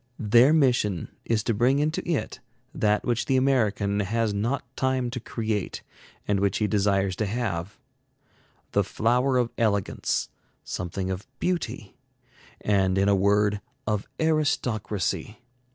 Their mission is to bring into it that which the American has not time to create, and which he desires to have: the flower of elegance, something of beauty, and in a word, of aristocracy.